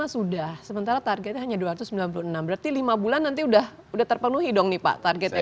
lima sudah sementara targetnya hanya dua ratus sembilan puluh enam berarti lima bulan nanti sudah terpenuhi dong nih pak targetnya